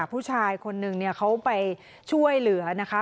ผู้ชายคนนึงเขาไปช่วยเหลือนะคะ